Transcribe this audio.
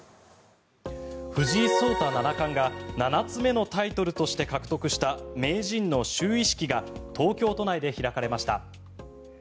藤井聡太七冠が７つ目のタイトルとして獲得した名人の就位式が東京都内で開かれました。